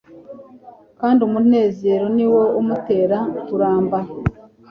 kandi umunezero ni wo umutera kuramba